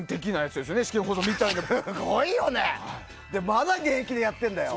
まだ現役でやってるんだよ。